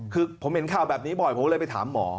คือผมเห็นข่าวแบบนี้บ่อยผมก็เลยไปถามหมอ